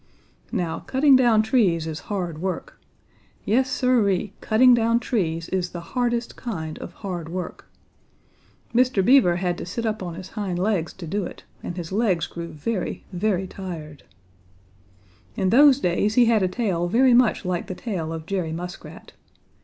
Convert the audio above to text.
"Now cutting down trees is hard work. Yes, Siree, cutting down trees is the hardest kind of hard work. Mr. Beaver had to sit up on his hind legs to do it, and his legs grew very, very tired. In those days he had a tail very much like the tail of Jerry Muskrat.